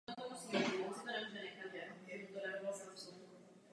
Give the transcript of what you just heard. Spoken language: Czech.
Odvádíme tuto práci nyní, takže ji můžeme dovést do konce.